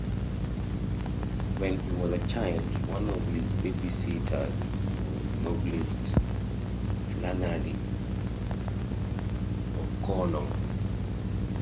When he was a child, one of his baby sitters was novelist Flannery O'Connor.